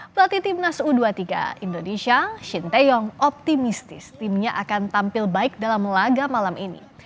pelatih timnas u dua puluh tiga indonesia shin taeyong optimistis timnya akan tampil baik dalam laga malam ini